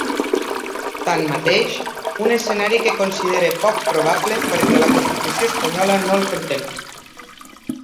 Tanmateix, un escenari que considera poc probable perquè la constitució espanyola no el contempla.